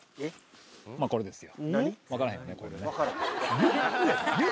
まあこれですよ